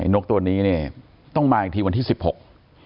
นกตัวนี้เนี่ยต้องมาอีกทีวันที่สิบหก